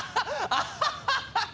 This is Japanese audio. アハハハッ！